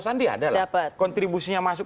sandi ada lah kontribusinya masuk